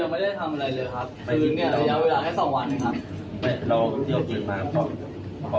ไม่ได้ทำอะไรเลยครับสองวันค่ะ